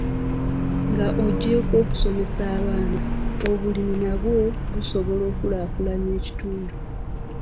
Ng'oggyeko okusomesa abaana, obulimi nabwo busobola okukulaakulanya ekitundu.